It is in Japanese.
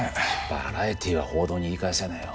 バラエティーは報道に言い返せねぇよ。